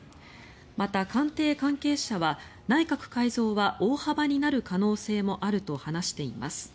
また、官邸関係者は内閣改造は大幅になる可能性もあると話しています。